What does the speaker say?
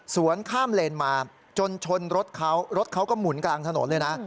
ข้ามเลนมาจนชนรถเขารถเขาก็หมุนกลางถนนเลยนะ